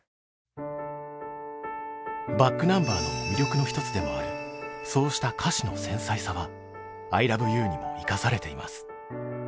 ｂａｃｋｎｕｍｂｅｒの魅力の一つでもあるそうした歌詞の繊細さは「アイラブユー」にも生かされています。